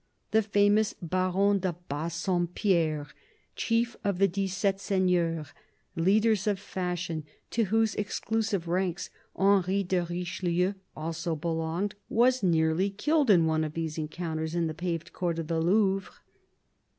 The famous Baron de Bassompierre, chief of the " dix sept seigneurs," leaders of fashion, to whose exclusive ranks Henry de Richelieu also belonged, was nearly killed in one of these encounters in the paved court of the Louvre.